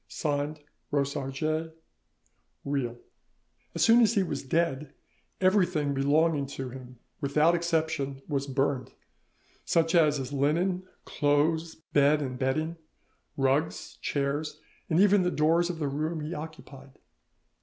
"(Signed) ROSARGES. "REILH." As soon as he was dead everything belonging to him, without exception, was burned; such as his linen, clothes, bed and bedding, rugs, chairs, and even the doors of the room he occupied.